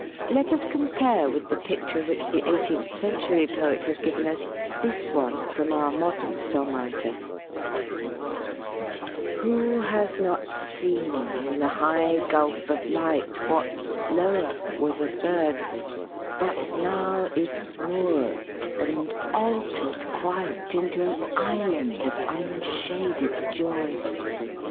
Let us compare with the picture which the eigh teenth century poet has given us, this one from our modern song writer: Who has not seen in the high gulf of light What, lower, was a bird, but now Is moored and altered quite Into an island of unshaded joy?